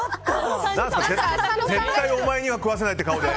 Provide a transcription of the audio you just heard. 絶対お前には食わせないって顔で。